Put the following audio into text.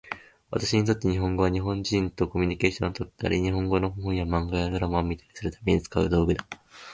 私にとって日本語は、日本人とコミュニケーションをとったり、日本語の本や漫画やドラマを見たりするために使う道具だ。